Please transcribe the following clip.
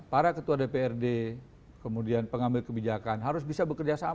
para ketua dprd kemudian pengambil kebijakan harus bisa bekerja sama